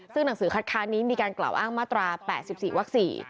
ซึ่งหนังสือคัดค้านนี้มีการกล่าวอ้างมาตรา๘๔วัก๔